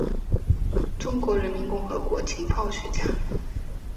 中华人民共和国情报学家。